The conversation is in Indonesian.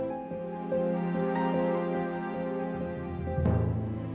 aku cinta sama kamu rat